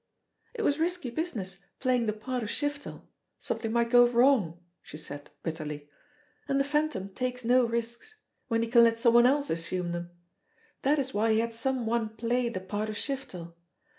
"It was risky business playing the part of Shiftel some thing might go wrong," she said bitterly. "And the Phan tom takes no risks when he can let some one else assume them ! That is why he had some one play the part of Shiftel.